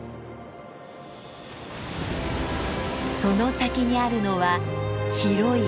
その先にあるのは広い海。